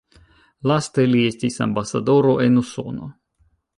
Laste li estis ambasadoro en Usono.